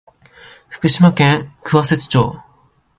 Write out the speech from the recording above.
福島県桑折町